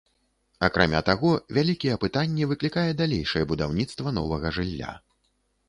Акрамя таго, вялікія пытанні выклікае далейшае будаўніцтва новага жылля.